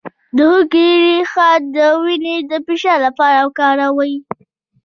د هوږې ریښه د وینې د فشار لپاره وکاروئ